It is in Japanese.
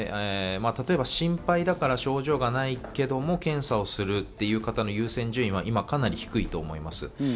例えば、心配だから症状がないけれども検査をするという方の優先順位は今かなり低いと思います。